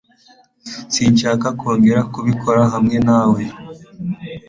Sinshaka kongera kubikora hamwe nawe .